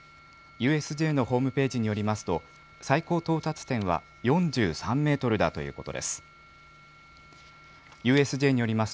ＵＳＪのホームページによりますと、最高到達点は４３メートルだということです。